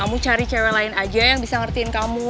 kamu cari cewek lain aja yang bisa ngertiin kamu